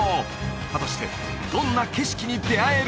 果たしてどんな景色に出会えるのか！？